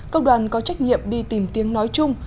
công đoàn có trách nhiệm đi tìm tiếng nói chung